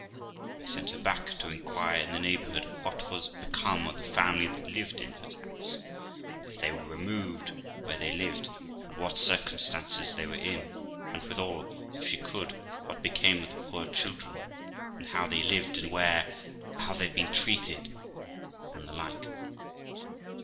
I sent her back to inquire in the neigh bourhood what was become of the family that lived in that house; and, if they were removed, where they lived, and what circumstances they were in; and, withal, if she could, what became of the poor children, and how they lived, and where; how they had been treated; and the like.